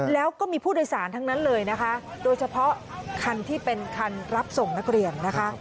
แล้วก็มีผู้โดยสารทั้งนั้นเลยนะคะโดยเฉพาะคันที่เป็นคันรับส่งนักเรียนนะคะ